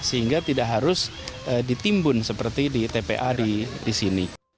sehingga tidak harus ditimbun seperti di tpa di sini